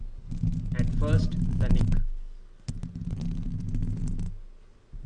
At first, the Nick.